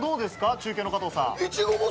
中継の加藤さん。